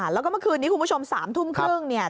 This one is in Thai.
แล้วก็เมื่อคืนนี้คุณผู้ชม๓ทุ่มครึ่งเนี่ย